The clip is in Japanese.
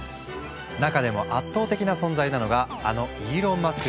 中でも圧倒的な存在なのがあのイーロン・マスク